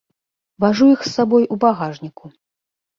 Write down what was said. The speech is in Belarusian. Важу іх з сабой у багажніку.